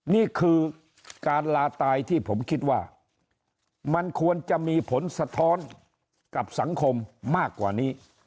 นี่คือการลาตายที่ผมคิดว่ามันควรจะมีผลสะท้อนกับสังคมมากกว่านี้